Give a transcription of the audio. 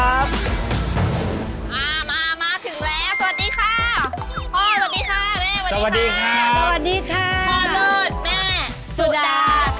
มามาถึงแล้วสวัสดีค่ะพ่อสวัสดีค่ะแม่สวัสดีค่ะสวัสดีค่ะพ่อเลิศแม่สุดา